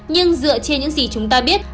nhưng dựa trên những gì chúng ta biết